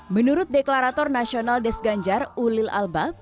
menurut deklarator nasional des ganjar ulil albab